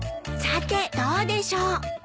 さてどうでしょう。